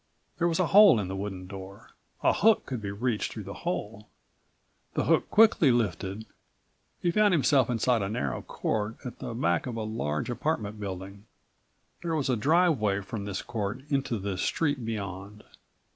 There was a hole in the wooden door. A hook could be reached through the hole. The hook quickly lifted, he found himself inside a narrow court at the back of a large apartment building. There was a driveway from this court into the street beyond.